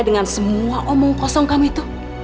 dengan semua omong kosong kami itu